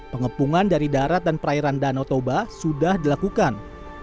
pengepungan dari darat dan perairan danau toba sudah dilakukan